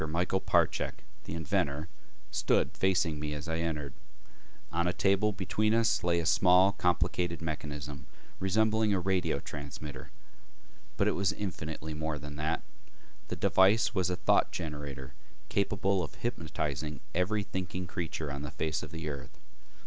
Michael Parchak, the inventor, stood facing me as I entered. On a table between us lay a small complicated mechanism resembling a radio transmitter. But it was infinitely more than that. The device was a thought generator capable of hypnotizing every thinking creature on the face of the earth.